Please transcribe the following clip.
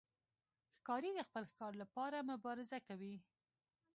ښکاري د خپل ښکار لپاره مبارزه کوي.